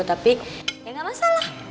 tapi ya gak masalah